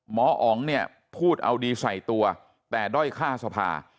หมออ๋องเนี่ยพูดเอาดีใส่ตัวแต่ด้อยฆ่าสภา